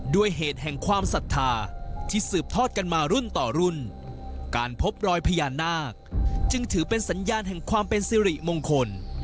ด้วยเหตุแห่งความศรัทธาที่สืบทอดกันมารุ่นต่อรุ่นการพบรอยพญานาคจึงถือเป็นสัญญาณแห่งความเป็นสิริมงคล